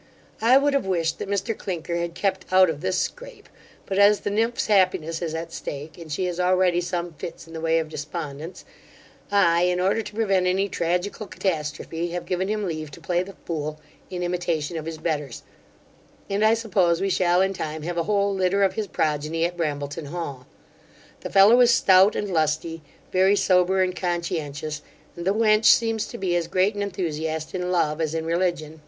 I would have wished that Mr Clinker had kept out of this scrape; but as the nymph's happiness is at stake, and she has already some fits in the way of despondence, I, in order to prevent any tragical catastrophe, have given him leave to play the fool, in imitation of his betters; and I suppose we shall in time have a whole litter of his progeny at Brambleton hall. The fellow is stout and lusty, very sober and conscientious; and the wench seems to be as great an enthusiast in love as in religion.